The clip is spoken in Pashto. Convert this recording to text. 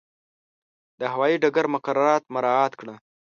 د هوایي ډګر مقررات مراعات کړه.